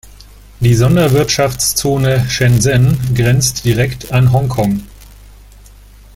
Die Sonderwirtschaftszone Shenzhen grenzt direkt an Hongkong.